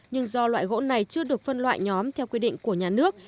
nhưng do loại gỗ này chưa được phân loại nhóm theo quy định của nhà nước